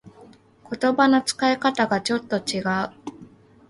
言葉の使い方がちょっと違う